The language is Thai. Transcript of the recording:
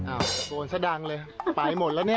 โอ้โหแสดงเลยไปหมดแล้วเนี่ย